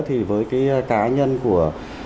thì với cái cá nhân của